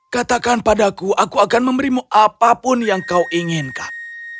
katakan padaku aku akan memberimu apapun yang kau inginkan